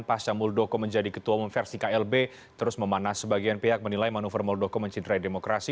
pasca muldoko menjadi ketua umum versi klb terus memanas sebagian pihak menilai manuver muldoko mencidrai demokrasi